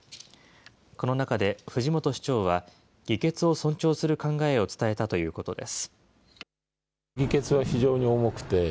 この中で、藤本市長は、議決を尊重する考えを伝えたということです。